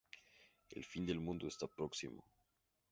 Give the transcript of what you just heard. El fin del mundo está próximo.